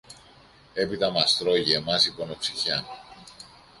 Έπειτα μας τρώγει εμάς η πονοψυχιά!